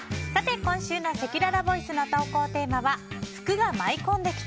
今週のせきららボイスの投稿テーマは福が舞い込んできた！